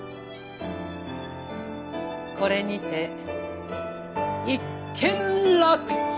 これにて一件落着。